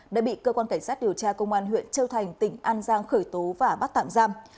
đã bị cơ quan cảnh sát điều tra công an huyện châu thành tỉnh an giang khởi tố và bắt tạm giam